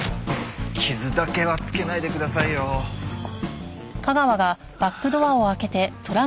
傷だけはつけないでくださいよ。ああ。